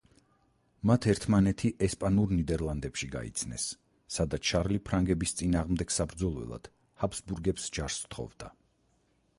მათ ერთმანეთი ესპანურ ნიდერლანდებში გაიცნეს, სადაც შარლი ფრანგების წინააღმდეგ საბრძოლველად ჰაბსბურგებს ჯარს სთხოვდა.